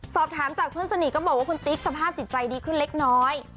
สอบถามจากเพื่อนสนิทก็บอกว่าคุณติ๊กสภาพจิตใจดีขึ้นเล็กน้อย